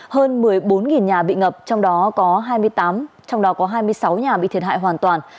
hơn một mươi bốn nhà bị ngập trong đó có hai mươi sáu nhà bị thiệt hại hoàn toàn